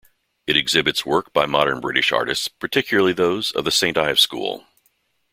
It exhibits work by modern British artists, particularly those of the Saint Ives School.